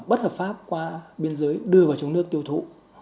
bất hợp pháp qua biên giới đưa vào trong nước tiêu thụ